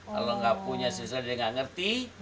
kalau gak punya silsila dia gak ngerti